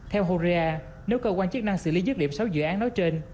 theo horea nếu cơ quan chức năng xử lý dứt điểm sáu dự án nói trên